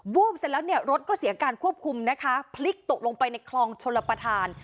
วูบเสร็จแล้วเนี่ยรถก็เสียการควบคุมนะคะพลิกตกลงไปในคลองชลประธาน